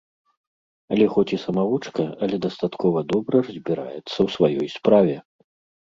Алег хоць і самавучка, але дастаткова добра разбіраецца ў сваёй справе.